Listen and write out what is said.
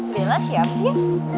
bella siapa sih